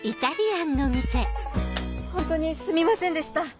ホントにすみませんでした。